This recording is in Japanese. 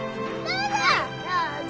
どうぞ！